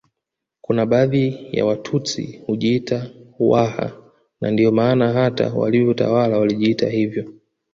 Kuna baadhi ya Watusi hujiita Waha na ndiyo maana hata walivyotawala walijiita hivyo